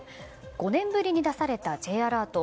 ５年ぶりに出されたＪアラート。